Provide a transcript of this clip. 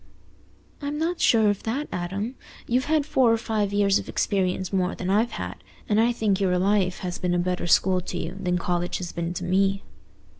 "I'm not so sure of that, Adam. You've had four or five years of experience more than I've had, and I think your life has been a better school to you than college has been to me."